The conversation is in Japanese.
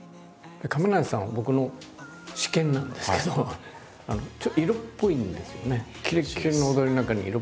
亀梨さんは僕の私見なんですけどちょっと色っぽいんですよね。